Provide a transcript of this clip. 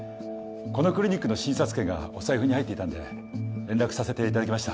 このクリニックの診察券がお財布に入っていたんで連絡させて頂きました。